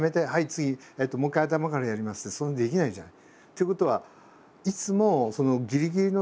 次もう一回頭からやりますってそんなできないじゃない。